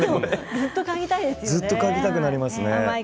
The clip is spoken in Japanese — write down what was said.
ずっと嗅ぎたくなります。